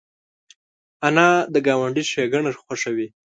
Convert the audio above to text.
انا د ګاونډي ښېګڼه خوښوي